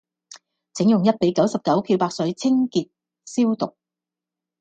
請用一比九十九漂白水清潔消毒